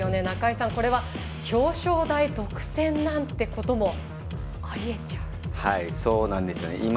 中井さんこれは表彰台独占なんてこともそうなんですよね。